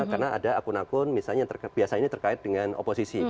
karena ada akun akun misalnya yang terkait biasanya ini terkait dengan oposisi